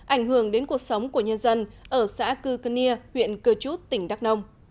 ảnh hưởng đến cuộc sống của nhân dân ở xã cư cân nia huyện cư chút tỉnh đắk nông